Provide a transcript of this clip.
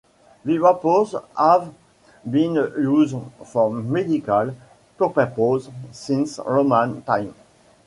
The vapours have been used for medical purposes since Roman times.